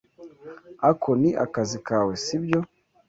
Ako ni akazi kawe, si byo?